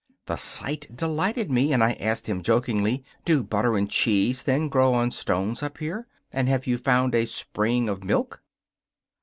The sight delighted me, and I asked him, jokingly: 'Do butter and cheese, then, grow on stones up here, and have you found a spring of milk?